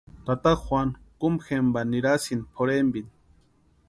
Tata Juanu kumpa jempa nirasïnti pʼorhempini.